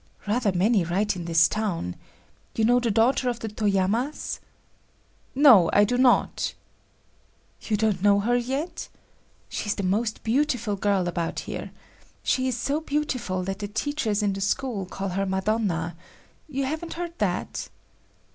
"Rather many right in this town. You know the daughter of the Toyamas? "No, I do not." "You don't know her yet? She is the most beautiful girl about here. She is so beautiful that the teachers in the school call her Madonna. You haven't heard that?